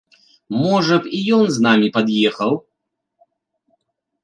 Можа б, і ён з намі пад'ехаў?